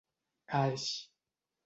Aix